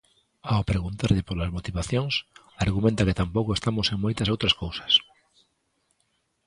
Ao preguntarlle polas motivacións, argumenta que "tampouco estamos en moitas outras cousas".